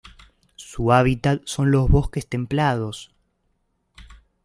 Su hábitat son los bosques templados.